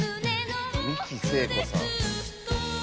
三木聖子さん。